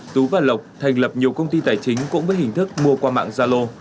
tú và lộc thành lập nhiều công ty tài chính cũng với hình thức mua qua mạng gia lô